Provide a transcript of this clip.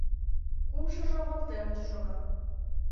Кумшыжо воктенышт шога.